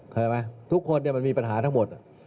เข้าใจไหมทุกคนมันมีปัญหาทั้งหมด